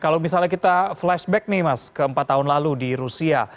kalau misalnya kita flashback nih mas ke empat tahun lalu di rusia